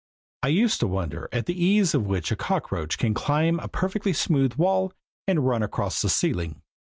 I used to wonder at the ease with which a cockroach can climb a perfectly smooth wall and run across the ceiling.